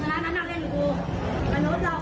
เจ้าหน้าที่อยู่ตรงนี้กำลังจะปัด